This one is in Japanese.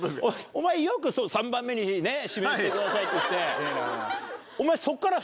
お前よく「３番目に指名してください」って言ってお前そっから。